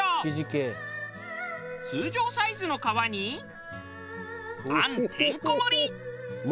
通常サイズの皮に餡てんこ盛り！